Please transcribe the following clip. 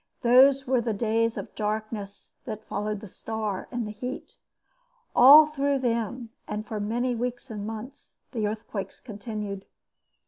Those were the days of darkness that followed the star and the heat. All through them, and for many weeks and months, the earthquakes continued.